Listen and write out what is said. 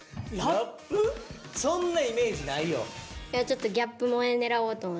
そんなイメージないよ。